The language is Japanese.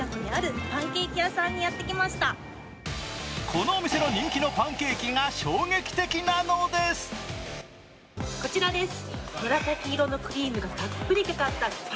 このお店の人気のパンケーキが衝撃的なのです。